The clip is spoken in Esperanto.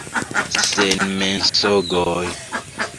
Sen mensogoj!